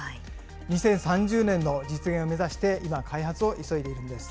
２０３０年の実現を目指して今、開発を急いでいるんです。